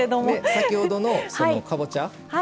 先ほどのかぼちゃ